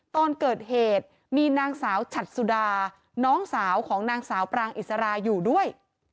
ตอนเกิดเหตุมีนางสาวฉัดสุดาน้องสาวของนางสาวปรางอิสราอยู่ด้วย